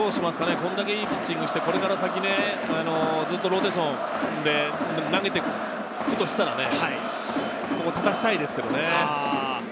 これだけいいピッチングをして、ずっとローテーションで投げていくとしたら、立たせたいですけれどね。